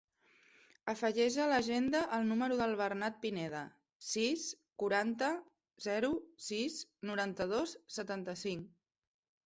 Afegeix a l'agenda el número del Bernat Pineda: sis, quaranta, zero, sis, noranta-dos, setanta-cinc.